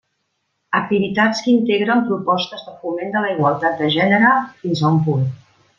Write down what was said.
Activitats que integren propostes de foment de la igualtat de gènere, fins a un punt.